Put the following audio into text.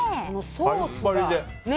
パリパリで。